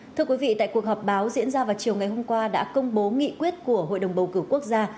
thưa quý vị tại cuộc họp báo diễn ra vào chiều ngày hôm qua đã công bố nghị quyết của hội đồng bầu cử quốc gia